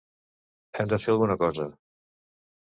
Hem de fer alguna cosa.